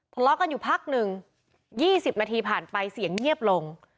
ทะเลาะกันอยู่พักหนึ่ง๒๐นาทีผ่านไปเสียงเงียบลง